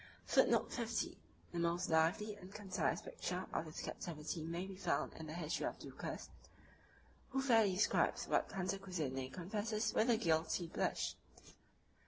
511 50 (return) [ The most lively and concise picture of this captivity may be found in the history of Ducas, (c. 8,) who fairly describes what Cantacuzene confesses with a guilty blush!